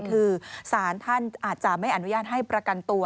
คือสารท่านอาจจะไม่อนุญาตให้ประกันตัว